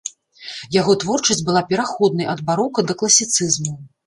Яго творчасць была пераходнай ад барока да класіцызму.